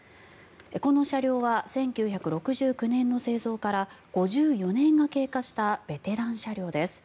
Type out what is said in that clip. この車両は１９６９年の製造から５４年が経過したベテラン車両です。